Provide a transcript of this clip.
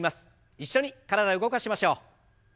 一緒に体動かしましょう。